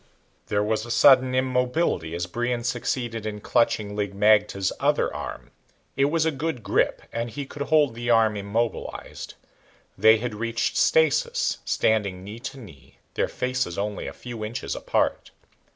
There was a sudden immobility as Brion succeeded in clutching Lig magte's other arm. It was a good grip, and he could hold the arm immobilized. They had reached stasis, standing knee to knee, their faces only a few inches apart.